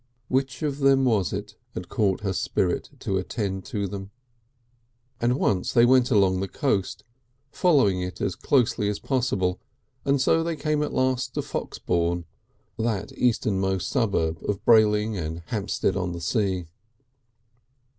Which of them was it, had caught her spirit to attend to them?... And once they went along the coast, following it as closely as possible, and so came at last to Foxbourne, that easternmost suburb of Brayling and Hampsted on the Sea.